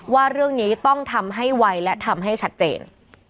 ว่าเรื่องนี้ต้องทำให้ไวและทำให้ชัดเจน